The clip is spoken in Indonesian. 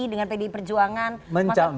dengan pdi perjuangan